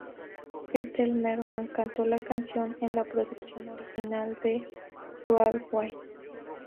Ethel Merman cantó la canción en la producción original de Broadway.